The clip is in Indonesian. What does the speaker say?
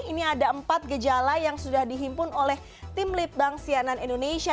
ini ada empat gejala yang sudah dihimpun oleh tim litbang sianan indonesia